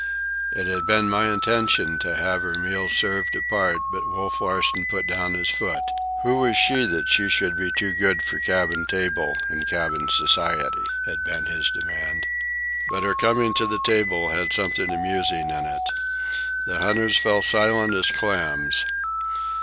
It had been my intention to have her meals served apart, but Wolf Larsen put down his foot. Who was she that she should be too good for cabin table and cabin society? had been his demand. But her coming to the table had something amusing in it. The hunters fell silent as clams.